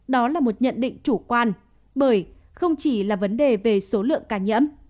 đó là một nhận định chủ quan bởi không chỉ là vấn đề về số lượng ca nhiễm